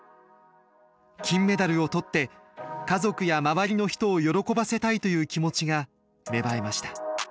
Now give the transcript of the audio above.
金メダルをとって家族や周りの人を喜ばせたいという気持ちが芽生えました。